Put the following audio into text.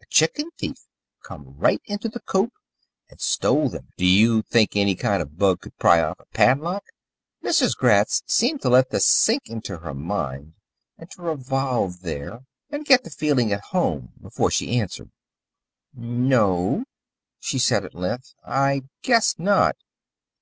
A chicken thief come right into the coop and stole them. Do you think any kind of a bug could pry off a padlock?" Mrs. Gratz seemed to let this sink into her mind and to revolve there, and get to feeling at home, before she answered. "No," she said at length, "I guess not.